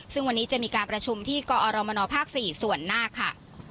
ซึ่งวันนี้จะมีการประชุมที่กอรมนภ๔ส่วนหน้าค่ะ